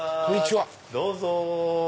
どうぞ！